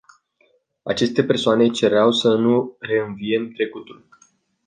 Aceste persoane cereau să nu reînviem trecutul.